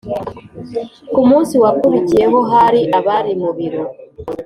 kumunsi wakurikiyeho hari abari mu biro